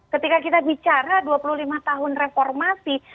ketika kita bicara dua puluh lima tahun reformasi